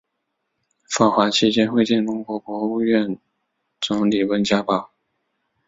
访华期间会见中国国务院总理温家宝。